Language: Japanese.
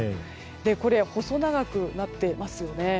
これ、細長くなっていますよね。